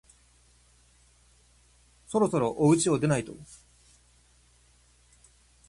そろそろおうちを出ないと